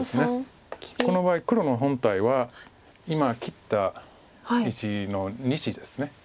この場合黒の本体は今切った石の２子です。